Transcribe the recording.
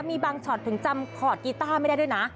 มีบางช็อตถึงจำคอร์ดกีต้าไม่ได้ด้วยนะ